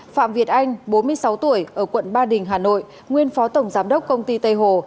phạm việt anh bốn mươi sáu tuổi ở quận ba đình hà nội nguyên phó tổng giám đốc công ty tây hồ